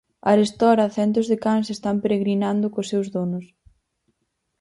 Arestora, centos de cans están peregrinando cos seus donos.